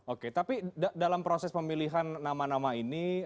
oke tapi dalam proses pemilihan nama nama ini